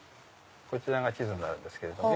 こちらが地図になるんですけど。